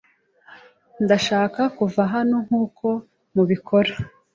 Ndashaka kuva hano nkuko mubikora.